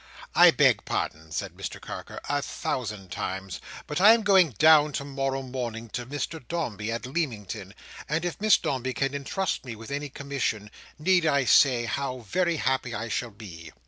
"I beg pardon," said Mr Carker, "a thousand times! But I am going down tomorrow morning to Mr Dombey, at Leamington, and if Miss Dombey can entrust me with any commission, need I say how very happy I shall be?"